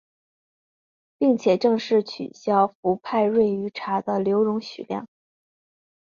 并且正式取消氟派瑞于茶的留容许量。